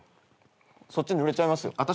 そっちぬれちゃいますよ。